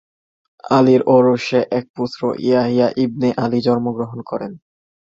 আলীর ঔরসে এক পুত্র ইয়াহিয়া ইবনে আলী জন্ম গ্রহণ করেন।